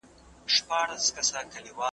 د علم په رڼا کي خپل حقوق وغواړئ.